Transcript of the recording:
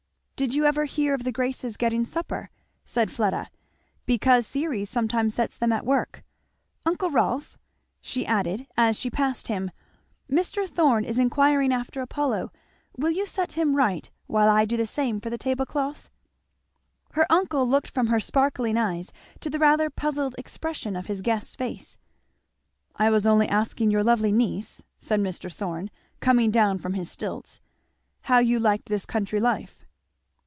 "Did you ever hear of the Graces getting supper?" said Fleda. "Because Ceres sometimes sets them at that work. Uncle Rolf," she added as she passed him, "Mr. Thorn is inquiring after Apollo will you set him right, while I do the same for the tablecloth?" Her uncle looked from her sparkling eyes to the rather puzzled expression of his guest's face. "I was only asking your lovely niece," said Mr. Thorn coming down from his stilts, "how you liked this country life?"